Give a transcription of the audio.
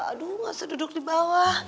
aduh gak usah duduk di bawah